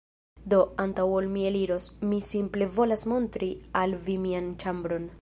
Do, antaŭ ol mi eliros, mi simple volas montri al vi mian ĉambron